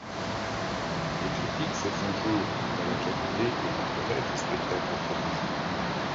Des critiques se font jour quant à la qualité et l’intérêt des spectacles proposés.